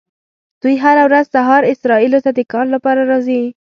دوی هره ورځ سهار اسرائیلو ته د کار لپاره راځي.